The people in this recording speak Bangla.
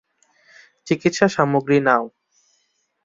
চিকিৎসা সামগ্রী নাও।